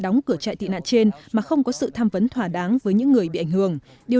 đóng cửa chạy tị nạn trên mà không có sự tham vấn thỏa đáng với những người bị ảnh hưởng điều